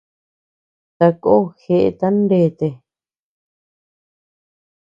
Takó jeʼeta ndete.